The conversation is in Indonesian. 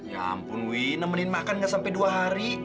ya ampun wi nemenin makan gak sampai dua hari